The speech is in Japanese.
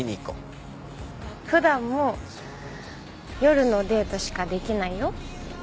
普段も夜のデートしかできないよ。